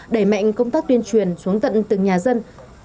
đẩy mạnh công tác tuyên truyền xuống tận từng nhà dân